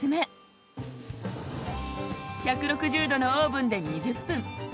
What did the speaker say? １６０度のオーブンで２０分。